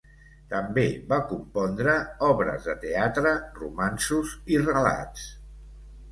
També va compondre obres de teatre, romanços i relats.